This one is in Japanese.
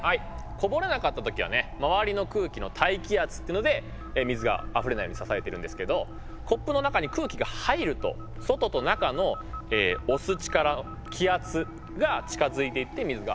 こぼれなかった時はね周りの空気の大気圧っていうので水があふれないように支えてるんですけどコップの中に空気が入ると外と中の押す力気圧が近づいていって水がこぼれてしまうと。